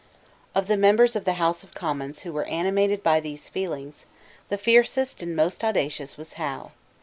Of the members of the House of Commons who were animated by these feelings, the fiercest and most audacious was Howe.